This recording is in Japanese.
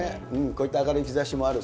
こういった明るい兆しもある。